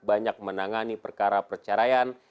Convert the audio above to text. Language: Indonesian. banyak menangani perkara perceraian